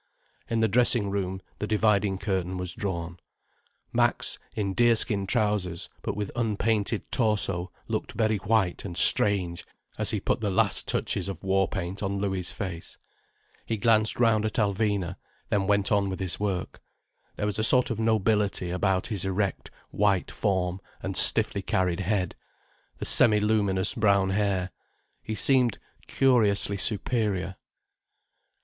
In the dressing room, the dividing curtain was drawn. Max, in deerskin trousers but with unpainted torso looked very white and strange as he put the last touches of war paint on Louis' face. He glanced round at Alvina, then went on with his work. There was a sort of nobility about his erect white form and stiffly carried head, the semi luminous brown hair. He seemed curiously superior.